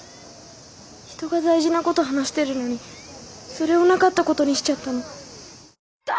「人が大事な事話してるのにそれをなかった事にしちゃったの」。